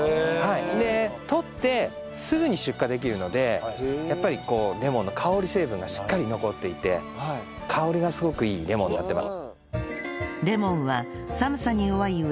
取ってすぐに出荷できるのでやっぱりレモンの香り成分がしっかり残っていて香りがすごくいいレモンになってます。